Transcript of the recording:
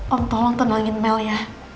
om tolong tenangin mel ya